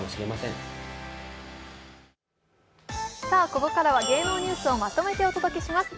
ここからは芸能ニュースをまとめてお届けします。